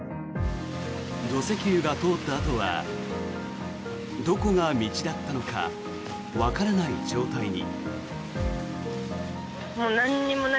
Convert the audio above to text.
土石流が通ったあとはどこが道だったのかわからない状態に。